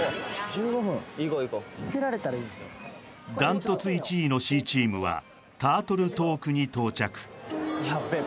１５分ダントツ１位のＣチームはタートル・トークに到着ヤッベえ